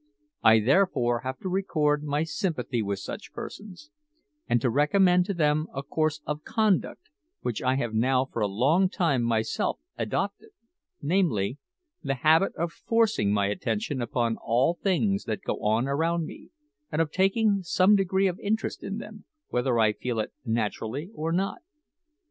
I therefore have to record my sympathy with such persons, and to recommend to them a course of conduct which I have now for a long time myself adopted namely, the habit of forcing my attention upon all things that go on around me, and of taking some degree of interest in them whether I feel it naturally or not.